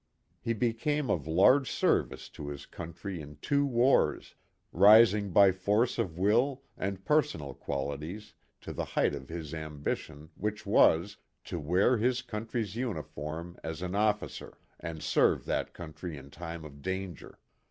He became of large service to his country in two wars, rising by force of will and personal qualities to the height of his ambition which was, to wear his country's uniform as an officer and serve that country in time of danger.